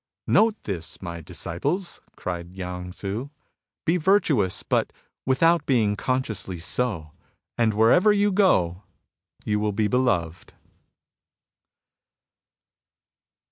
'' Note this, my disciples !" cried Yang Tzu. *' Be virtuous, but without being consciously so ; and wherever you go, you will be beloved."